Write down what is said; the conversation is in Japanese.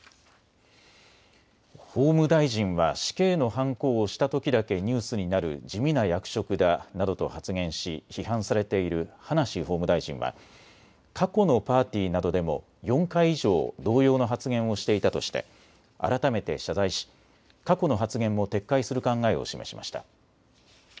法務大臣は死刑のはんこを押したときだけニュースになる地味な役職だなどと発言し批判されている葉梨法務大臣は過去のパーティーなどでも４回以上、同様の発言をしていたとして改めて謝罪し過去の発言も撤回する考えを示しました。